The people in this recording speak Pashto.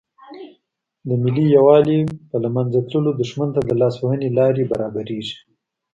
د ملي یووالي په له منځه تللو دښمن ته د لاس وهنې لارې برابریږي.